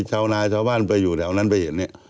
ชาวนาชาวบ้านไปอยู่แถวนั้นไปเห็นเนี่ย